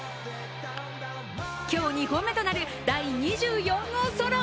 今日２本目となる第２４号ソロ。